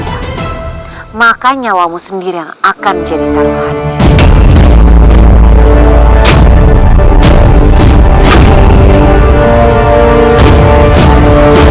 jika tidak maka nyawamu sendiri yang akan menjadi taruhan